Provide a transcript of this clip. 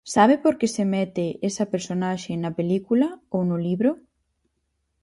¿Sabe por que se mete esa personaxe na película, ou no libro?